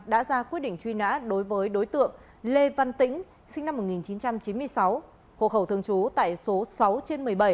đã ra quyết định truy nã đối với đối tượng lê văn tĩnh sinh năm một nghìn chín trăm chín mươi sáu hộ khẩu thường trú tại số sáu trên một mươi bảy